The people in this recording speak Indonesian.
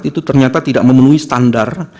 itu ternyata tidak memenuhi standar